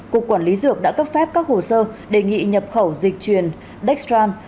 cục quản lý dược đã cấp phép các hồ sơ đề nghị nhập khẩu dịch truyền dexam